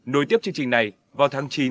nối tiếp chương trình này vào tháng chín